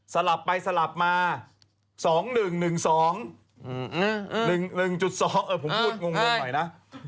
สลับไปสลับมา๒๑๑๒๑๒ผมพูดงงหน่อยนะ